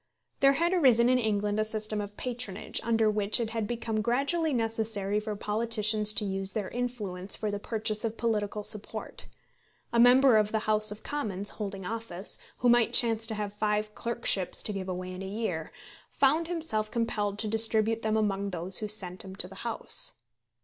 There had arisen in England a system of patronage, under which it had become gradually necessary for politicians to use their influence for the purchase of political support. A member of the House of Commons, holding office, who might chance to have five clerkships to give away in a year, found himself compelled to distribute them among those who sent him to the House.